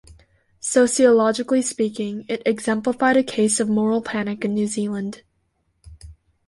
Sociologically speaking, it exemplified a case of moral panic in New Zealand.